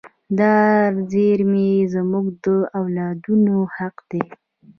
دا زیرمې زموږ د اولادونو حق دی.